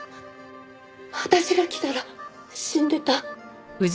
私が来たら死んでた。